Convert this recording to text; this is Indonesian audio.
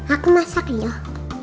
aku masak yuk